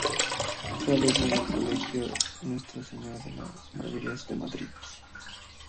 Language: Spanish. Fue alumno del Colegio Nuestra Señora de las Maravillas de Madrid.